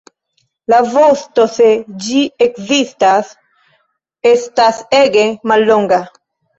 La vosto, se ĝi ekzistas, estas ege mallonga.